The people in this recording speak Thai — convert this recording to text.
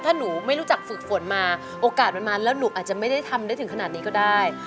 ถ้าหนูไม่รู้จักฝึกฝนมาโอกาสมันมาแล้วหนูอาจจะไม่ได้ทำได้ถึงขนาดนี้ก็ได้